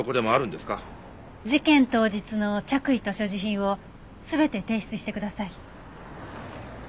事件当日の着衣と所持品を全て提出してください。